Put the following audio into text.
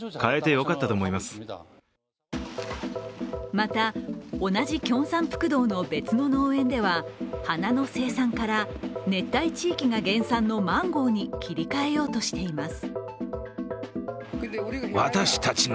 また、同じキョンサンプクトの別の農園では花の生産から、熱帯地域が原産のマンゴーに切り替えようとしています。